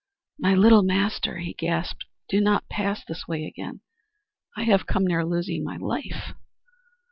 "My little Master," he gasped, "do not pass this way again; I have come near losing my life."